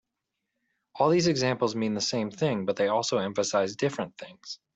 All these examples mean the same thing but they also emphasize different things.